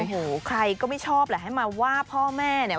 โอ้โหใครก็ไม่ชอบแหละให้มาว่าพ่อแม่เนี่ย